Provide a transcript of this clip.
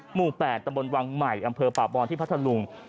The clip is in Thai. หมู่๘ตำบลวังใหม่อำเภอป่าบอลที่พัทธลุง